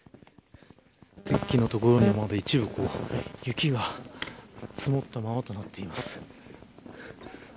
デッキの所にも一部、雪が積もったままとなっています。